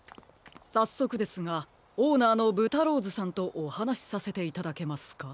さっそくですがオーナーのぶたローズさんとおはなしさせていただけますか？